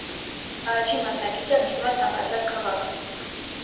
Առաջին մասնակիցը ընտրում է ցանկացած քաղաք։